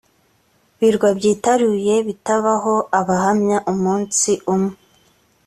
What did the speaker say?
birwa byitaruye bitabaho abahamya umunsi umwe